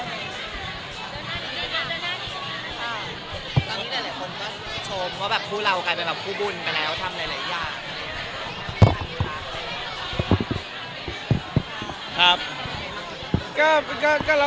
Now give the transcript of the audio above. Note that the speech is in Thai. ตอนนี้หลายคนก็ชมว่าแบบคู่เรากลายเป็นแบบคู่บุญไปแล้วทำหลายอย่าง